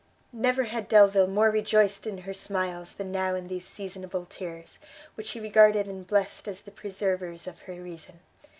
Never had Delvile more rejoiced in her smiles than now in these seasonable tears, which he regarded and blest as the preservers of her reason.